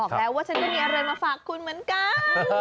ว่าฉันก็มีอะไรมาฝากคุณเหมือนกัน